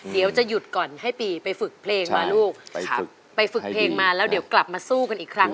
เดี๋ยวจะหยุดก่อนให้ปีไปฝึกเพลงมาลูกไปฝึกเพลงมาแล้วเดี๋ยวกลับมาสู้กันอีกครั้ง